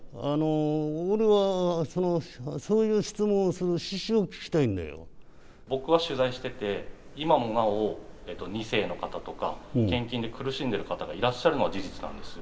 俺はそういう質問をする趣旨を聞僕は取材してて、今もなお、２世の方とか、献金で苦しんでる方がいらっしゃるのは事実なんですよ。